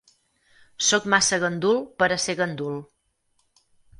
Soc massa gandul per a ser gandul.